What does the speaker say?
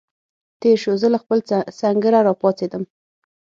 تېر شو، زه له خپل سنګره را پاڅېدم.